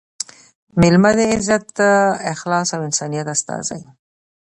مېلمه – د عزت، اخلاص او انسانیت استازی